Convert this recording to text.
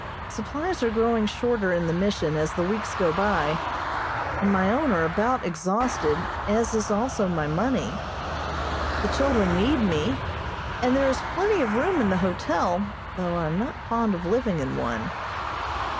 Supplies are growing shorter in the Mission as the weeks go by, and my own are about exhausted, as is also my money. The children need me, and there is plenty of room in the hotel, though I am not fond of living in one.